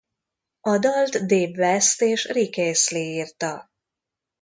A dalt Dave West és Rick Astley írta.